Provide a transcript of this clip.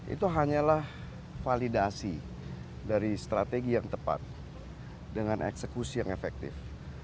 itu hanyalah validasi dari strategi yang tepat dengan eksekusi yang efektif